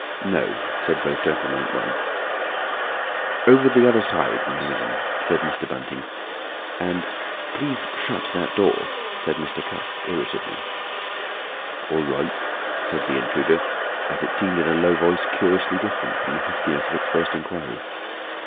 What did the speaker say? "No," said both gentlemen at once. "Over the other side, my man," said Mr. Bunting. And "Please shut that door," said Mr. Cuss, irritably. "All right," said the intruder, as it seemed in a low voice curiously different from the huskiness of its first inquiry.